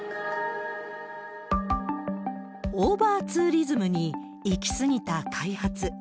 オーバーツーリズムに、行き過ぎた開発。